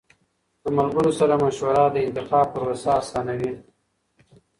له ملګرو سره مشوره د انتخاب پروسه آسانوي.